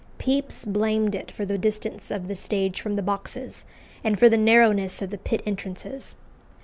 Pepys blamed it for the distance of the stage from the boxes, and for the narrowness of the pit entrances.